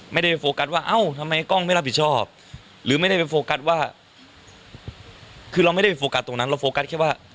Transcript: ไม่ได้ไปโฟกัสว่าเอ้าทำไมกล้องไม่รับผิดชอบหรือไม่ได้ไปโฟกัสว่าคือเราไม่ได้ไปโฟกัสตรงนั้นเราโฟกัสแค่ว่า